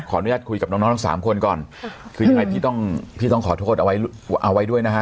ขออนุญาตคุยกับน้องทั้ง๓คนก่อนคืออย่างไรพี่ต้องขอโทษเอาไว้ด้วยนะฮะ